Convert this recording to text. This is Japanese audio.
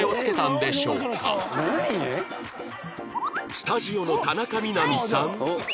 スタジオの田中みな実さん